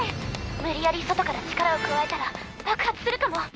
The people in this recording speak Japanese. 無理やり外から力を加えたら爆発するかも。